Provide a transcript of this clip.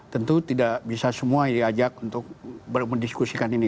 tentu tidak bisa semua diajak untuk mendiskusikan ini